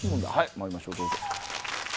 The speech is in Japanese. まいりましょうどうぞ。